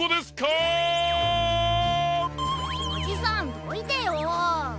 おじさんどいてよ。